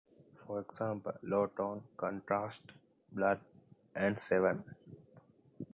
For example, low tone contrasts 'blood' and 'seven'.